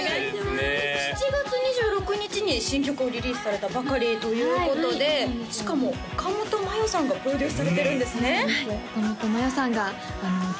７月２６日に新曲をリリースされたばかりということでしかも岡本真夜さんがプロデュースされてるんですねそうなんですよ